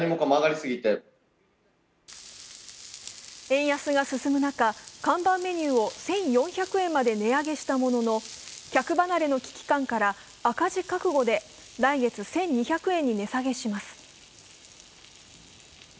円安が進む中、看板メニューを１４００円まで値上げしたものの客離れの危機感から赤字覚悟で来月、１２００円に値下げします。